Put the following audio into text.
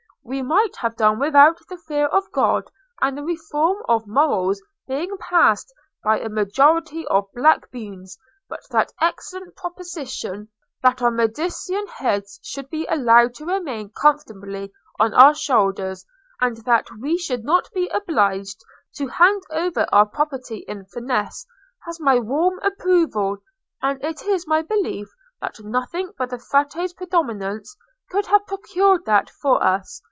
We might have done without the fear of God and the reform of morals being passed by a majority of black beans; but that excellent proposition, that our Medicean heads should be allowed to remain comfortably on our shoulders, and that we should not be obliged to hand over our property in fines, has my warm approval, and it is my belief that nothing but the Frate's predominance could have procured that for us.